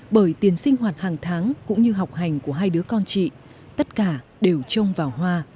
bởi tiền sinh hoạt hàng tháng cũng như học hành của hai đứa con chị tất cả đều trông vào hoa